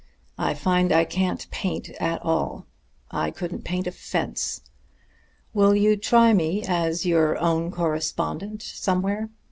I find I can't paint at all; I couldn't paint a fence. Will you try me as your Own Correspondent somewhere?